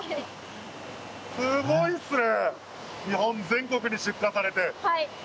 すごいですね！